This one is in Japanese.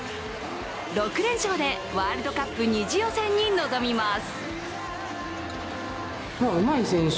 ６連勝でワールドカップ２次予選に臨みます。